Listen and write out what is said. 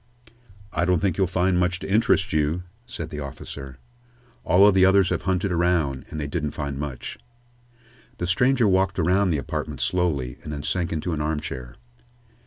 "I don't think you'll find much to interest you," said the officer. "All of the others have hunted around, and they didn't find much." The stranger walked around the apartment slowly, and then sank into an armchair.